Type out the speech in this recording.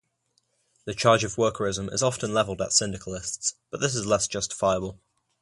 The charge of workerism is often levelled at syndicalists, but this is less justifiable.